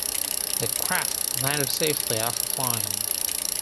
The craft landed safely after flying.